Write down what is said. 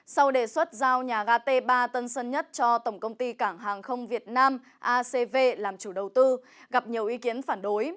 sau đề xuất giao nhà ga t ba tân sơn nhất cho tổng công ty cảng hàng không việt nam acv làm chủ đầu tư gặp nhiều ý kiến phản đối